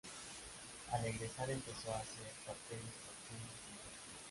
Al egresar empezó a hacer papeles pequeños en teatro.